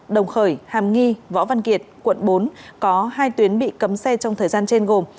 đồng khởi hàm nghi võ văn kiệt quận bốn có hai tuyến bị cấm xe trong thời gian trên gồm